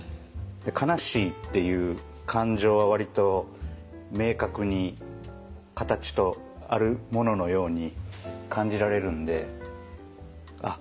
「悲しい」っていう感情は割と明確に形とあるもののように感じられるんであっ